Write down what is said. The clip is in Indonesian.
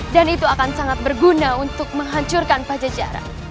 dan itu akan sangat berguna untuk menghancurkan pajacaran